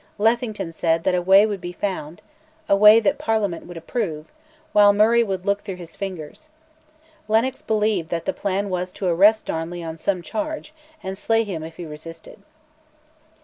Lethington said that "a way would be found," a way that Parliament would approve, while Murray would "look through his fingers." Lennox believed that the plan was to arrest Darnley on some charge, and slay him if he resisted.